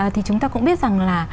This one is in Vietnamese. thì chúng ta cũng biết rằng là